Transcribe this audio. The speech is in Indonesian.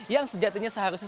yang sejatinya seharusnya